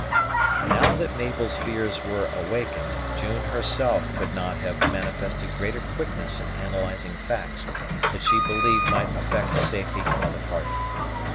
Now that Mabel's fears were awakened, June herself could not have manifested greater quickness in analyzing facts that she believed might affect the safety of the party.